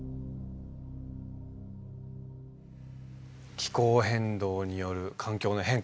気候変動による環境の変化。